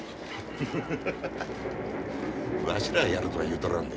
ハハハハハわしらがやるとは言うとらんで。